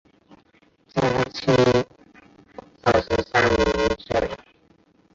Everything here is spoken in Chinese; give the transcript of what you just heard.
嘉庆二十三年卒。